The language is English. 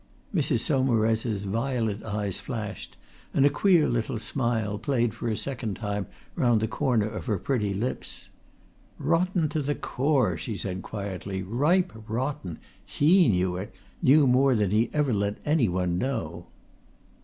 Mrs. Saumarez's violet eyes flashed, and a queer little smile played for a second round the corner of her pretty lips. "Rotten to the core!" she said quietly. "Ripe rotten! He knew it! knew more than he ever let anyone know!"